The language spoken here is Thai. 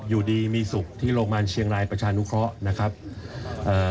อยู่ดีมีสุขที่โรงพยาบาลเชียงรายประชานุเคราะห์นะครับเอ่อ